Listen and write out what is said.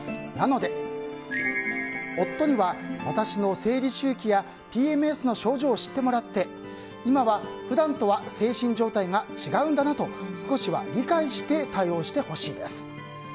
なので、夫には私の生理周期やＰＭＳの症状を知ってもらって今は普段とは精神状態が違うんだなと少しは理解して対応してほしいです。